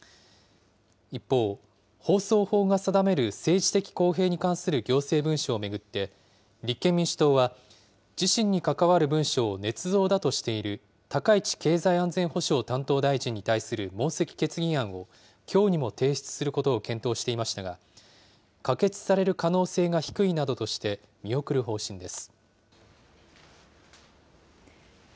一方、放送法が定める政治的公平に関する行政文書を巡って立憲民主党は自身に関わる文書をねつ造だとしている高市経済安全保障担当大臣に対する問責決議案をきょうにも提出することを検討していましたが、可決される可能性が低いなどとして見送る方針です。